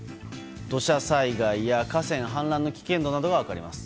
土砂災害や河川氾濫の危険度などが分かります。